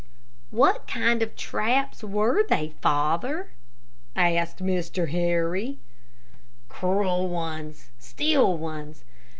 "What kind of traps were they, father?" asked Mr. Harry. "Cruel ones steel ones.